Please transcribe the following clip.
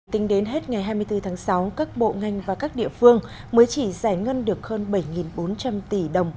tính đến hết ngày hai mươi bốn tháng sáu các bộ ngành và các địa phương mới chỉ giải ngân được hơn bảy bốn trăm linh tỷ đồng